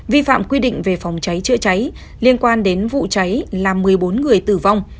vi phạm quy định về phòng cháy chữa cháy liên quan đến vụ cháy làm một mươi bốn người tử vong